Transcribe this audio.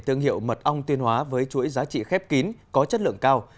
thương hiệu mật ong tuyên hóa với chuỗi giá trị khép kín có chất lượng cao